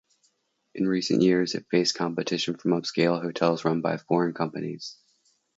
In recent years it faced competition from upscale hotels run by foreign companies.